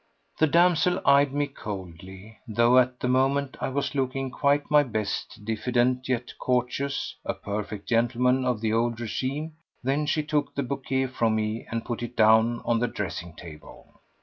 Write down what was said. The damsel eyed me coldly, though at the moment I was looking quite my best, diffident yet courteous, a perfect gentleman of the old regime. Then she took the bouquet from me and put it down on the dressing table.